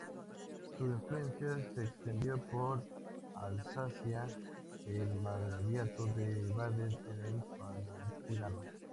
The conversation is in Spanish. Su influencia se extendió por Alsacia, el margraviato de Baden y el Palatinado.